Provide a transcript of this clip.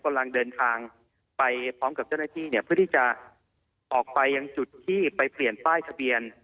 กำลังเดินทางไปพร้อมกับเจ้าหน้าที่เนี่ยเพื่อที่จะออกไปยังจุดที่ไปเปลี่ยนป้ายทะเบียน